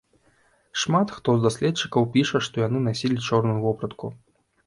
Шмат хто з даследчыкаў піша, што яны насілі чорную вопратку.